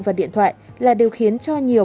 và điện thoại là điều khiến cho nhiều